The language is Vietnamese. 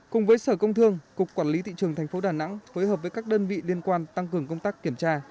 cùng với sở công thương cục quản lý thị trường tp đà nẵng phối hợp với các đơn vị liên quan tăng cường công tác kiểm tra